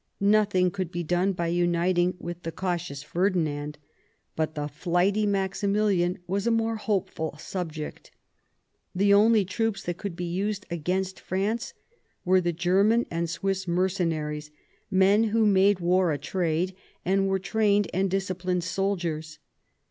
No thing could be done by uniting with the cautious Ferdinand; but the flighty Maximilian was a more hopeful subject The only troops that could be used against France were the Grerman and Swiss mercenaries, men who made war a trade, and were trained and dis ciplined soldiers.